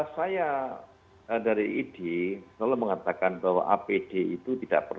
saya dari idi selalu mengatakan bahwa apd itu tidak perlu